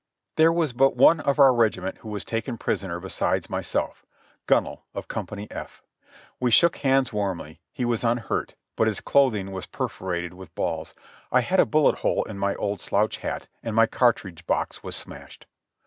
There was but one of our regiment who was taken prisoner besides myself, Gunnell, of Co. F. We shook hands warmly; he was unhurt, but his clothing was perforated with balls. I had a bullet hole in my old slouch hat and my cartridge box was smashed.